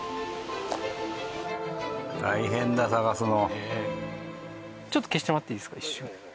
大変だ探すの。